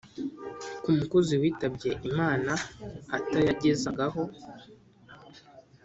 Ku mukozi witabye imana atayagezagaho